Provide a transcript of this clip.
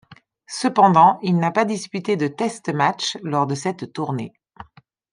Cependant il n'a pas disputé de test match lors de cette tournée.